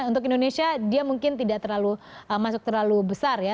untuk indonesia dia mungkin tidak terlalu masuk terlalu besar ya